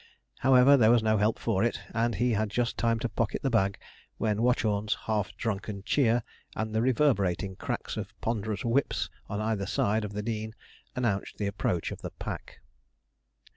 However, there was no help for it, and he had just time to pocket the bag when Watchorn's half drunken cheer, and the reverberating cracks of ponderous whips on either side of the Dean, announced the approach of the pack.